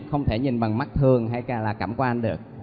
không thể nhìn bằng mắt thương hay cả là cảm quan được